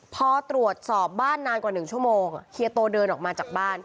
พอตรวจสอบบ้านนานกว่า๑ชั่วโมงเฮียโตเดินออกมาจากบ้าน